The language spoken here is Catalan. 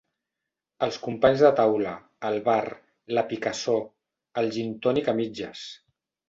Els companys de taula, el bar, la picassor, el gintònic a mitges.